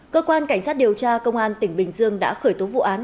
cơ quan cảnh sát điều tra công an tỉnh bình dương đã khởi tố vụ án